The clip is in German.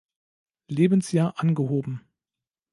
Lebensjahr angehoben.